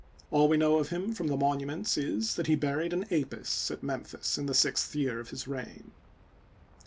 All we know of him from the monuments is, that he buried an Apis at Memphis in the sixth year of his reign.